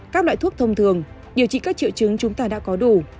các loại thuốc thông thường điều trị các triệu chứng chúng ta đã có đủ